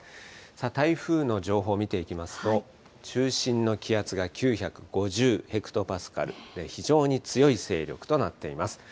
さあ、台風の情報見ていきますと、中心の気圧が９５０ヘクトパスカル、非常に強い勢力となっています。